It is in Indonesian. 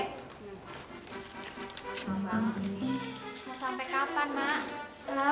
mau sampai kapan mak